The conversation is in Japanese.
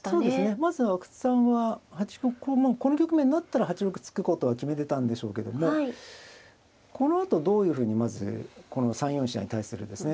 まず阿久津さんはこの局面になったら８六歩突くことは決めてたんでしょうけどもこのあとどういうふうにまずこの３四飛車に対するですね